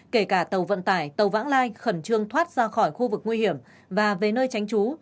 kể cả tàu vận tải tàu vãng lai khẩn trương thoát ra khỏi khu vực nguy hiểm và về nơi tránh trú